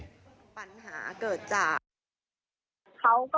ปัญหาเกิดจาก